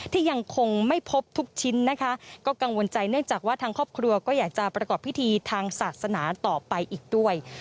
ที่ยังคงไม่พบทุกชิ้นนะคะก็กังวลใจเนื่องจากว่าทางครอบครัวก็อยากจะประกอบพิธีทางศาสนาต่อไปอีกด้วย